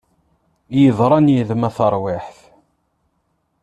I yeḍran yid-m a tarwiḥt!